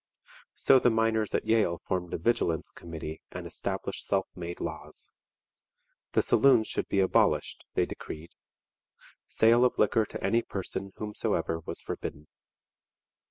So the miners at Yale formed a vigilance committee and established self made laws. The saloons should be abolished, they decreed. Sale of liquor to any person whomsoever was forbidden.